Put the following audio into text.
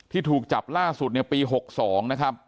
ที่ถูกจับล่าสุดในปี๖๒นะครับ